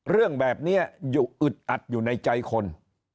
เรื่องแบบนี้อยู่อึดอัดอยู่ในใจคน